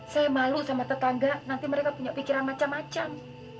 saya malu sama tetangga nanti mereka punya pikiran macam macam